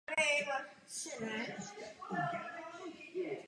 Ne vše najdeme ve smlouvách.